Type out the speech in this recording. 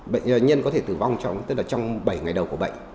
bệnh nhân có thể tử vong trong bảy ngày đầu của bệnh